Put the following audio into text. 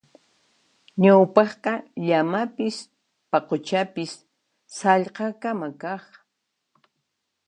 Ñawpaqqa llamapis paquchapis sallqakama kaq.